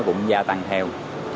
cũng gia tăng theo